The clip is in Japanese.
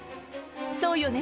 そうよね？